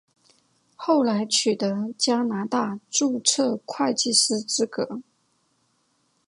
后来取得加拿大注册会计师资格。